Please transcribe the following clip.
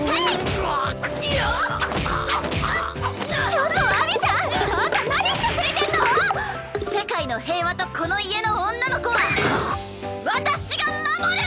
ちょっと秋水ちゃんあんた何してくれてんの⁉世界の平和とこの家の女の子は私が守る！